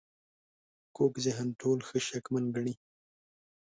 کوږ ذهن ټول ښه شکمن ګڼي